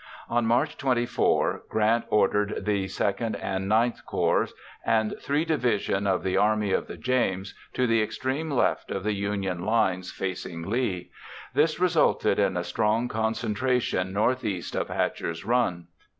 On March 24, Grant ordered the II and IX Corps and three divisions of the Army of the James to the extreme left of the Union lines facing Lee. This resulted in a strong concentration northeast of Hatcher's Run.